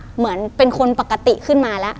เหมือนเป็นคนปกติขึ้นมาแล้ว